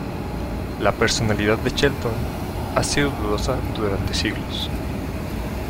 La personalidad de Shelton ha sido dudosa durante siglos.